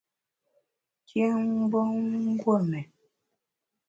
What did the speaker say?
Kyém mgbom !guon mén.